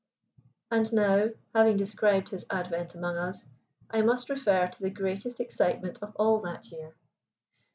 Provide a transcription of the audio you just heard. And now, having described his advent among us, I must refer to the greatest excitement of all that year.